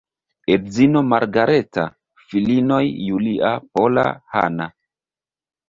Edzino Margareta, filinoj Julia, Pola, Hanna.